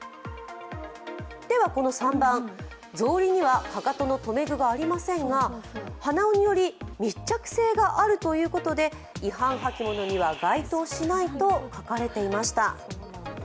では３番、ぞうりにはかかとの留め具がありませんが、鼻緒により密着性があるということで、違反履物には該当しないと書かれていました。